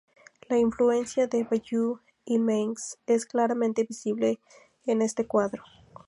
La influencia de Bayeu y Mengs es claramente visible en este cuadro.